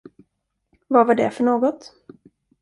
Vad var det för något?